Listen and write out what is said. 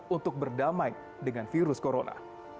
untuk berdamai dengan virus corona